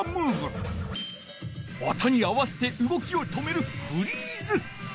音に合わせてうごきを止める「フリーズ」。